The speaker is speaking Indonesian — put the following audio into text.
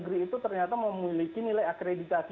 negeri itu ternyata memiliki nilai akreditasi